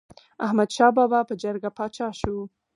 احمد شاه بابا په جرګه پاچا شو.